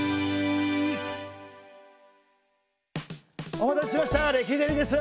お待たせしましたレキデリです。